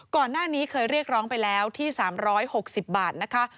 ก่อนหน้านี้เคยเรียกร้องไปแล้วที่๓๖๐บาทนะคะ